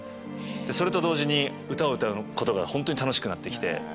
それと同時に歌を歌うことが本当に楽しくなってきて。